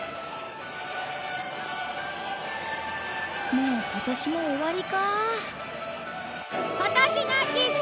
もう今年も終わりかあ。